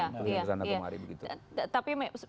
keliling ke sana kemari begitu